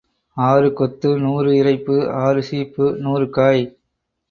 ஆறு கொத்து, நூறு இறைப்பு ஆறு சீப்பு, நூறு காய்.